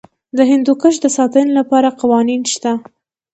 د هندوکش د ساتنې لپاره قوانین شته.